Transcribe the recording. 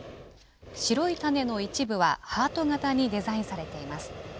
白い種の一部はハート型にデザインされています。